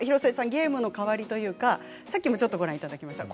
ゲームの代わりというかさっきもちょっとご覧いただきました